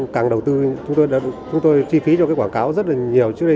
càng đầu tư chúng tôi chi phí cho quảng cáo rất nhiều trước đây